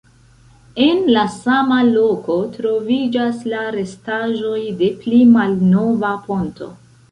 En la sama loko troviĝas la restaĵoj de pli malnova ponto.